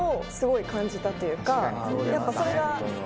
やっぱそれが。